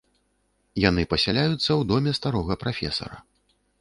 Яны пасяляюцца ў доме старога прафесара.